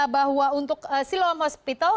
bahwa untuk silom hospital